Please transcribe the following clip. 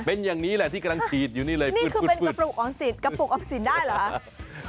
เป็นอย่างนี้แหละที่กำลังชีดอยู่นี่เลยนี่คือเป็นกระปุกออมสินได้เหรอ